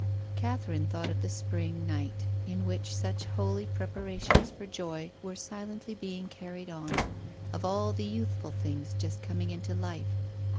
Catherine thought of the spring night, in which such holy preparations for joy were silently being carried on, of all the youthful things just coming into life.